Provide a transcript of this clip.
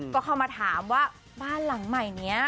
ก็เข้ามาถามว่าบ้านหลังใหม่นี้